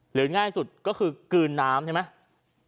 ง่ายสุดก็คือกลืนน้ำใช่ไหม